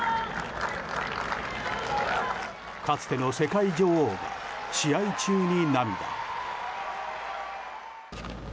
かつての世界女王が試合中に涙。